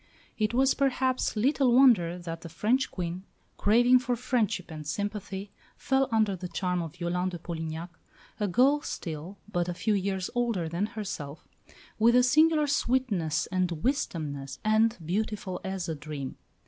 It was, perhaps, little wonder that the French Queen, craving for friendship and sympathy, fell under the charm of Yolande de Polignac a girl still, but a few years older than herself, with a singular sweetness and winsomeness, and "beautiful as a dream."